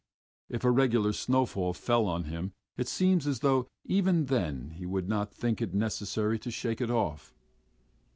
If a regular snowdrift fell on him it seems as though even then he would not think it necessary to shake it off....